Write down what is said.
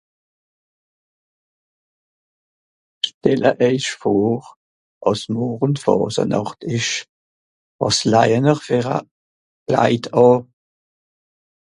stelle eich vor àss mòrn faasenàcht esch wàs laijen'r ver à klaid àh